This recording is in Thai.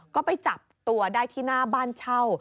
ก็ไปจับตัวได้ที่หน้าบ้านเช่า